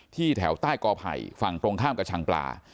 แถวใต้กอไผ่ฝั่งตรงข้ามกระชังปลา